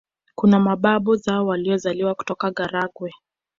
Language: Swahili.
Kuna mababu zao waliozaliwa kutoka Karagwe